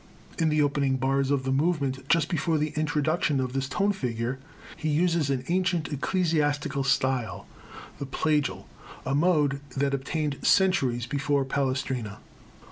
In the opening bars of the movement, just before the introduction of this tone figure, he uses an ancient ecclesiastical style, the Plagal, a mode that obtained centuries before Palestrina.